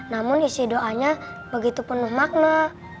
namun isi doanya begitu penuh makna